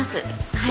はい。